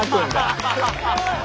ハハハ！